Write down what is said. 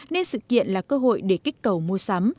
nên sự kiện là cơ hội để kích cầu mua sắm